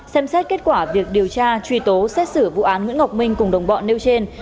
xem xét kết quả việc điều tra truy tố xét xử vụ án nguyễn ngọc minh cùng đồng bọn nêu trên